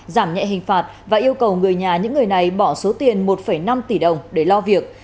giảm nhẹ hình phạt và yêu cầu người nhà những người này bỏ số tiền một năm tỷ đồng để lo việc